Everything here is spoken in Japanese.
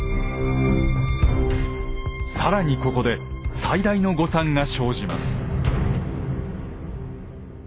更にここで最大の誤算が生じます。